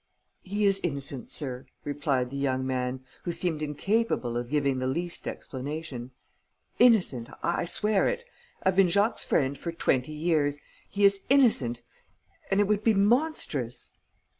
"He is innocent, sir," replied the young man, who seemed incapable of giving the least explanation. "Innocent, I swear it. I've been Jacques' friend for twenty years ... He is innocent ... and it would be monstrous...."